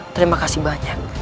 terima kasih banyak